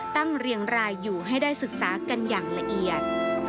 เรียงรายอยู่ให้ได้ศึกษากันอย่างละเอียด